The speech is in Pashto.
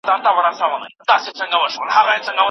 بيټ نيکه